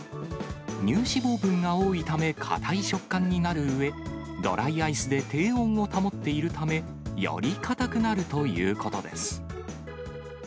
乳脂肪分が多いため、硬い食感になるうえ、ドライアイスで低温を保っているため、より硬くなるということです。